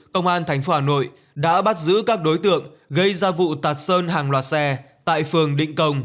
công an tp hà nội đã bắt giữ các đối tượng gây ra vụ tạt sơn hàng loạt xe tại phường định công